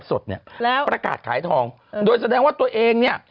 สดเนี่ยแล้วประกาศขายทองโดยแสดงว่าตัวเองเนี่ย